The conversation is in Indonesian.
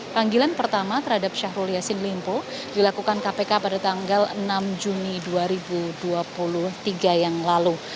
panggilan pertama terhadap syahrul yassin limpo dilakukan kpk pada tanggal enam juni dua ribu dua puluh tiga yang lalu